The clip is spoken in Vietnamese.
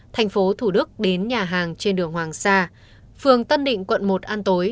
thành phố thủ đức đến nhà hàng trên đường hoàng sa phường tân định quận một an tối